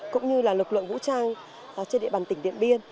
cũng như là lực lượng vũ trang trên địa bàn tỉnh điện biên